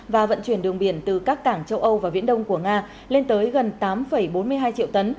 và vận chuyển đường biển từ các cảng châu âu và viễn đông của nga lên tới gần tám bốn mươi hai triệu tấn